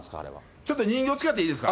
ちょっと人形使っていいですか？